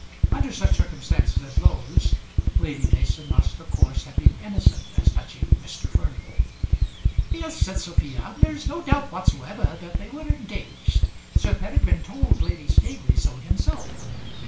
Under such circumstances as those Lady Mason must of course have been innocent as touching Mr. Furnival. "Yes," said Sophia. "There is no doubt whatsoever that they were engaged. Sir Peregrine told Lady Staveley so himself."